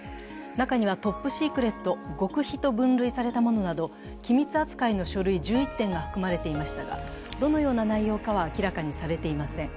中にはトップシークレット、極秘と分類されたものなど機密扱いの書類１１点が含まれてましたが、どのような内容かは明らかにされていません。